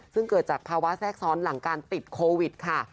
ซึ่งเกิดจากภาวะแทรกซ้อนหลังการติดโควิดค่ะ